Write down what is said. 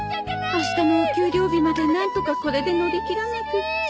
明日のお給料日までなんとかこれで乗り切らなくちゃ。